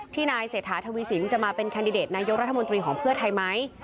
นายเศรษฐาทวีสินจะมาเป็นแคนดิเดตนายกรัฐมนตรีของเพื่อไทยไหม